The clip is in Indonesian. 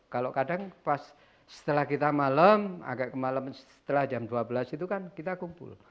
kalau kadang pas setelah kita malam agak ke malam setelah jam dua belas itu kan kita kumpul